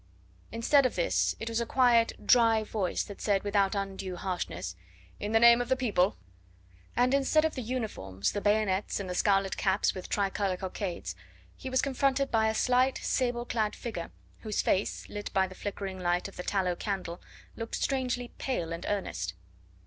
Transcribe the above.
Instead of this, it was a quiet, dry voice that said without undue harshness: "In the name of the people!" And instead of the uniforms, the bayonets and the scarlet caps with tricolour cockades, he was confronted by a slight, sable clad figure, whose face, lit by the flickering light of the tallow candle, looked strangely pale and earnest.